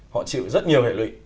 họ chịu rất nhiều hệ lụy